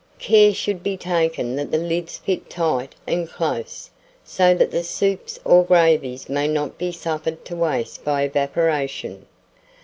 Care should be taken that the lids fit tight and close, so that soups or gravies may not be suffered to waste by evaporation.